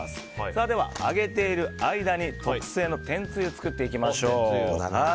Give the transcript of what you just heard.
では、揚げている間に特製の天つゆを作っていきましょう。